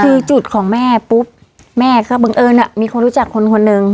คือจุดของแม่ปุ๊บแม่ก็บังเอิญมีคนรู้จักคนคนหนึ่ง